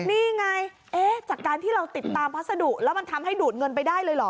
นี่ไงจากการที่เราติดตามพัสดุแล้วมันทำให้ดูดเงินไปได้เลยเหรอ